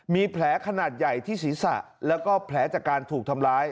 มีแผลขนาดใหญ่ที่ศีรษะแล้วก็แผลจากการถูกทำร้าย